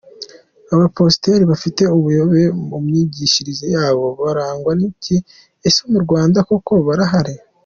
Abapasiteri bafite ubuyobe mu myigishirize yabo barangwa n'iki ese mu Rwanda koko barahari?.